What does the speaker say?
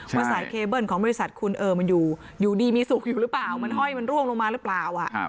สายเคเบิ้ลของบริษัทคุณมันอยู่ดีมีสุขอยู่หรือเปล่ามันห้อยมันร่วงลงมาหรือเปล่า